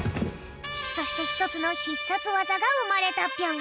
そしてひとつのひっさつわざがうまれたぴょん。